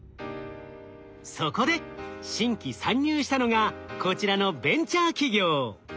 そこで新規参入したのがこちらのベンチャー企業。